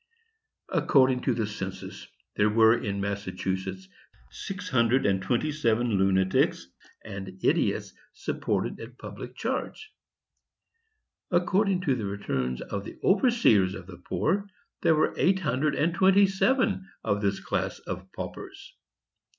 "According to the census, there were in Massachusetts six hundred and twenty seven lunatics and idiots supported at public charge; according to the returns of the overseers of the poor, there were eight hundred and twenty seven of this class of paupers.